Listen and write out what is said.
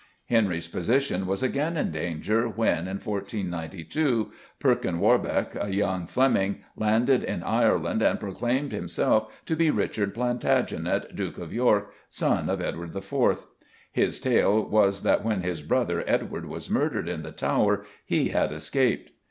Henry's position was again in danger, when, in 1492, Perkin Warbeck, a young Fleming, landed in Ireland and proclaimed himself to be Richard Plantagenet, Duke of York, son of Edward IV. His tale was that when his "brother" Edward was murdered in the Tower, he had escaped.